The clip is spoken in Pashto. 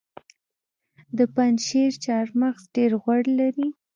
د پنجشیر چهارمغز ډیر غوړ لري.